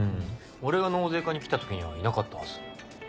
俺が納税課に来た時にはいなかったはず。